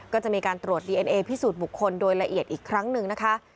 ก็จะมีการตรวจดีเอ็นเอพิสูจน์บุคคลโดยละเอียดอีกครั้งหนึ่งนะคะ